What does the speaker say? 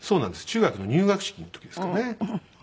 中学の入学式の時ですかねはい。